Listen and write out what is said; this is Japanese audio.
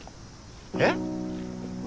えっ？